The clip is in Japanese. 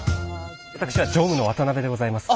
私は常務の渡邊でございます。